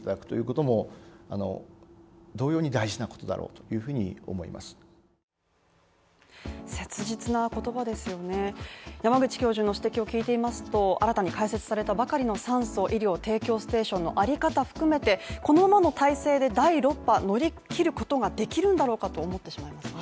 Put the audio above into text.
その上で切実な言葉ですよね山口教授の指摘を聞いていますと新たに開設されたばかりの酸素・医療提供ステーションのあり方含めて、この体制で第６波乗り切ることができるんだろうかと思ってしまいます。